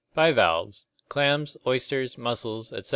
Bivalves; clams, oysters, mussels, etc.